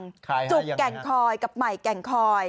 จุกแก่งคอยกับใหม่แก่งคอย